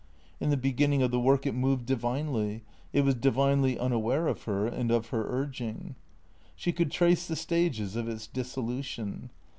In the beginning of the work it moved divinely; it was divinely unaware of her and of her urging. She could trace the stages of its dissolution.